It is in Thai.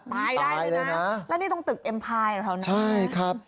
ตายได้เลยน่ะตายเลยน่ะแล้วนี่ต้องตึกเอ็มไพรเหรอครับใช่ครับ